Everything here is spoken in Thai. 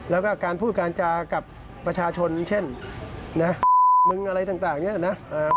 แล้วก็การพูดการจากับประชาชนเช่นนะมึงอะไรต่างเนี่ยนะ